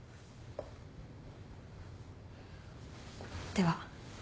では。